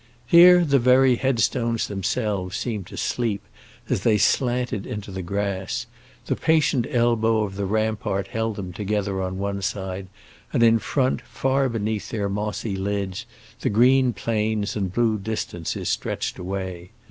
Here the very headstones themselves seemed to sleep, as they slanted into the grass; the patient elbow of the rampart held them together on one side, and in front, far beneath their mossy lids, the green plains and blue distances stretched away.